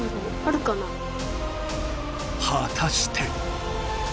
はたして。